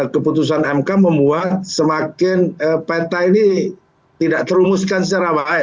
keputusan mk membuat semakin peta ini tidak terumuskan secara baik